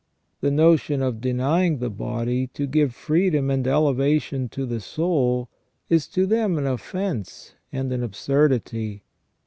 The notion of denying the body to give freedom and elevation to the soul is to them an offence and an absurdity.